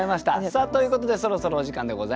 さあということでそろそろお時間でございます。